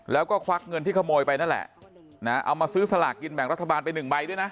แล้วก็ควักเงินที่ขโมยไปนั่นแหละนะเอามาซื้อสลากกินแบ่งรัฐบาลไปหนึ่งใบด้วยนะ